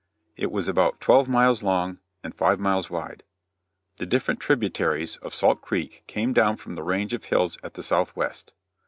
It was about twelve miles long and five miles wide. The different tributaries of Salt Creek came down from the range of hills at the southwest.